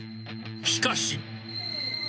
しかし。